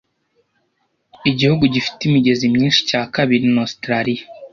igihugu gifite imigezi myinshi cya kabiri ni Ositaraliya